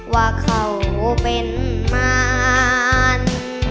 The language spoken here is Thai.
ว่าเขาเป็นมาร